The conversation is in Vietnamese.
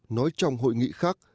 nói trong hội nghị khác